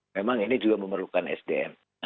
memang ini juga memerlukan sdm